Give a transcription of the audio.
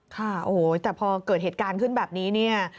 ค่ะโอ้โหแต่พอเกิดเหตุการณ์ขึ้นแบบนี้เนี่ย